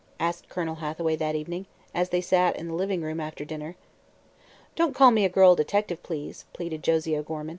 asked Colonel Hathaway that evening, as they sat in the living room after dinner. "Don't call me a girl detective, please," pleaded Josie O'Gorman.